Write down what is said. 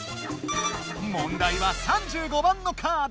問題は３５番のカード。